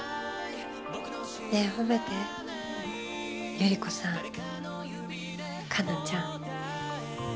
ねえ褒めてゆり子さん花奈ちゃん。